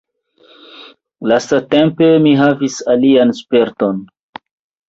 Lastatempe mi havis alian sperton.